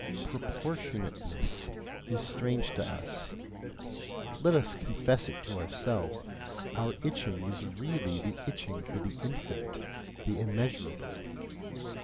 PROPORTIONATENESS is strange to us, let us confess it to ourselves; our itching is really the itching for the infinite, the immeasurable.